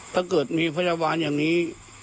ถ้าเกิดมีพยาบาลอย่างนี้